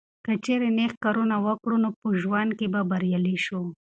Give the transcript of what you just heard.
که چیرې نیک کارونه وکړو نو په ژوند کې به بریالي شو.